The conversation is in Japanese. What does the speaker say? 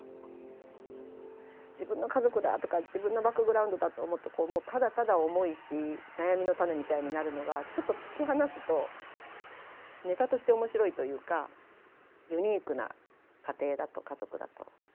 自分の家族だとか自分のバックグラウンドだと思うともうただただ重いし悩みの種みたいになるのがちょっと突き放すとネタとして面白いというかユニークな家庭だと家族だと。